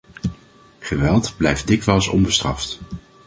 Geweld blijft dikwijls onbestraft.